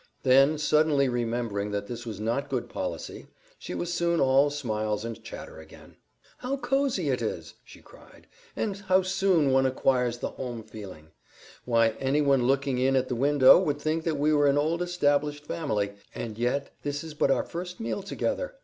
Then, suddenly remembering that this was not good policy, she was soon all smiles and chatter again. "How cozy this is!" she cried, "and how soon one acquires the home feeling! Why, anyone looking in at the window would think that we were an old established family, and yet this is but our first meal together.